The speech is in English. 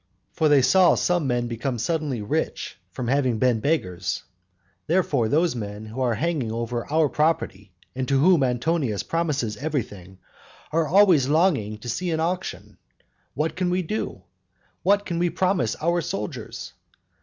For they saw some men become suddenly rich from having been beggars. Therefore, those men who are hanging over our property, and to whom Antonius promises everything, are always longing to see an auction. What can we do? What do we promise our soldiers?